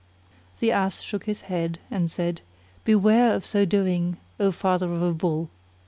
The Ass shook his head and said, "Beware of so doing, O Father of a Bull!"